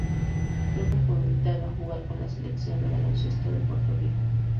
Luego fue invitado a jugar con la Selección de baloncesto de Puerto Rico.